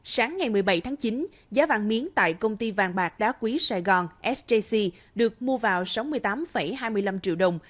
sáng ngày một mươi bảy tháng chín giá vàng miếng tại công ty vàng bạc đá quý sài gòn sjc được mua vào sáu mươi tám hai mươi năm triệu đồng